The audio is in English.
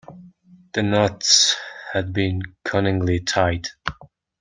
The knots had been cunningly tied.